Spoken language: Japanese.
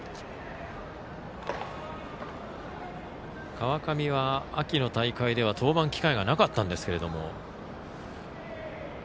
川上は、秋の大会では登板機会がなかったんですが。